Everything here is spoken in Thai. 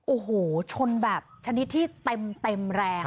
โอ้โหชนแบบชนิดที่เต็มแรง